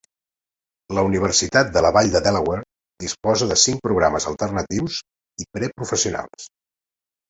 La Universitat de la Vall de Delaware disposa de cinc programes alternatius i pre-professionals.